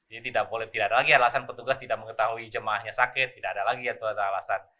jadi tidak boleh tidak ada lagi alasan petugas tidak mengetahui jemaahnya sakit tidak ada lagi alasan